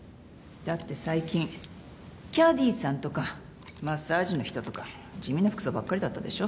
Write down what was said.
だって最近キャディーさんとかマッサージの人とか地味な服装ばっかりだったでしょ。